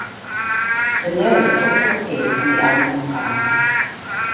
The Nerves also appeared on the album's cover.